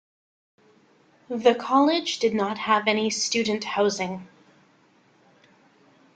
The college did not have any student housing.